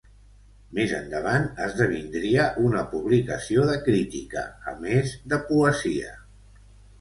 Més endavant esdevindria una publicació de crítica a més de poesia.